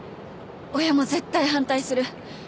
親も絶対反対する。